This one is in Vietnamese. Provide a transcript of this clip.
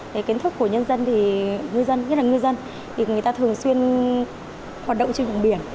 cái kiến thức của nhân dân thì ngư dân nhất là ngư dân thì người ta thường xuyên hoạt động trên vùng biển